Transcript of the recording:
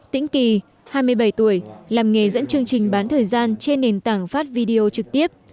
tĩnh kỳ hai mươi bảy tuổi làm nghề dẫn chương trình bán thời gian trên nền tảng phát video trực tiếp